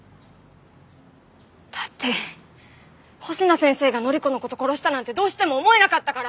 だって星名先生が範子の事殺したなんてどうしても思えなかったから。